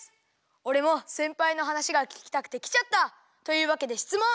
おれもせんぱいのはなしがききたくてきちゃった！というわけでしつもん！